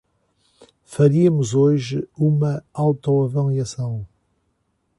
Faríamos hoje uma autoavaliação